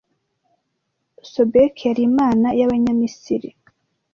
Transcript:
Sobek yari imana y'Abanyamisiri